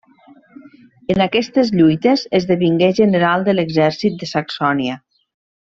En aquestes lluites esdevingué general de l'exèrcit de Saxònia.